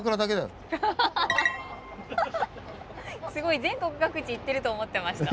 すごい全国各地行ってると思ってました。